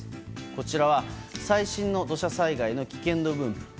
こちらは最新の土砂災害の危険度分布。